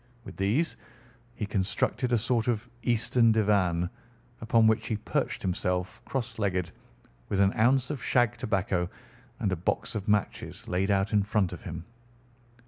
With these he constructed a sort of Eastern divan, upon which he perched himself cross legged, with an ounce of shag tobacco and a box of matches laid out in front of him.